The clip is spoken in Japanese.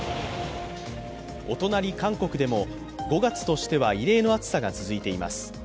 お隣、韓国でも５月としては異例の暑さが続いています。